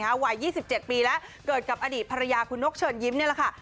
วัย๒๗ปีแล้วเกิดกับอดีตภรรยาคุณนกเชิญยิ้มนี่แหละค่ะ